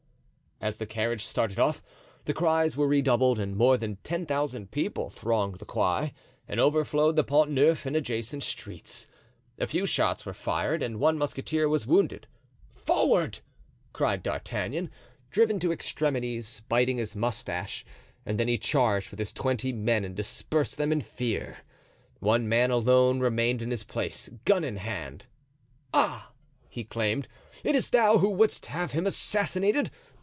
As the carriage started off the cries were redoubled and more than ten thousand people thronged the Quai and overflowed the Pont Neuf and adjacent streets. A few shots were fired and one musketeer was wounded. "Forward!" cried D'Artagnan, driven to extremities, biting his moustache; and then he charged with his twenty men and dispersed them in fear. One man alone remained in his place, gun in hand. "Ah!" he exclaimed, "it is thou who wouldst have him assassinated?